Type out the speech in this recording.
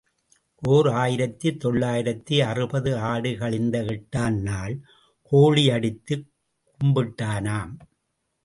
ஓர் ஆயிரத்து தொள்ளாயிரத்து அறுபது ஆடி கழிந்த எட்டாம் நாள் கோழி அடித்துக் கும்பிட்டானாம்.